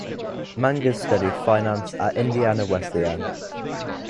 Mangas studied finance at Indiana Wesleyan.